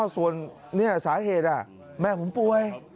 ส่วนสาเหตุแม่ผมป่วย